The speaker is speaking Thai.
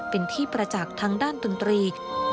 เป็นที่ประจักษ์ทางด้านดนตรี